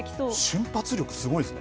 瞬発力すごいですね。